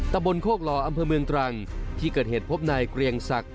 ตะบนโคกหล่ออำเภอเมืองตรังที่เกิดเหตุพบนายเกรียงศักดิ